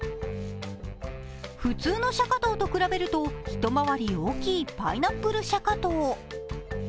普通のシャカトウと比べると一回り大きいパイナップルシャカトウ。